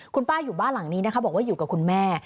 คุณป้าอยู่บ้านหลังนี้นะคะบอกว่าอยู่กับคุณแม่